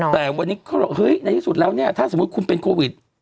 แต่วันนี้เขาบอกเฮ้ยในที่สุดแล้วเนี่ยถ้าสมมุติคุณเป็นโควิด